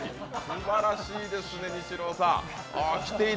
すばらしいですね、イチローさん。